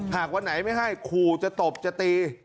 หากวันไหนไม่ให้ขู่จะตบจะตี